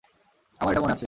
আমার এটা মনে আছে!